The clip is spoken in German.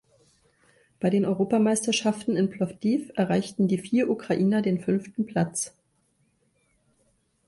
Bei den Europameisterschaften in Plowdiw erreichten die vier Ukrainer den fünften Platz.